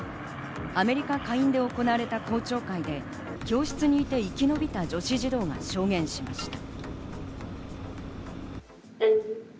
アメリカ下院で行われた公聴会で、教室にいて生き延びた女子児童が証言しました。